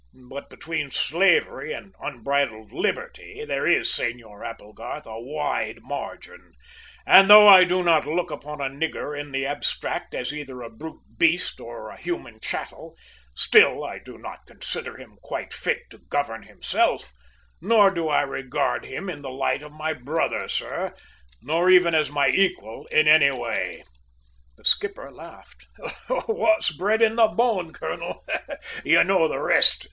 But between slavery and unbridled liberty there is, Senor Applegarth, a wide margin; and though I do not look upon a nigger in the abstract as either a brute beast or a human chattel, still I do not consider him quite fit to govern himself, nor do I regard him in the light of my brother, sir, nor even as my equal in any way!" The skipper laughed. "`What's bred in the bone,' colonel you know the rest!"